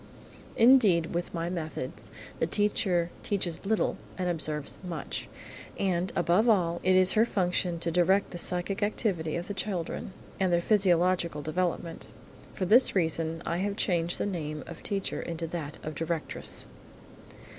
Indeed, with my methods, the teacher teaches little and observes much, and, above all, it is her function to direct the psychic activity of the children and their physiological development. For this reason I have changed the name of teacher into that of directress.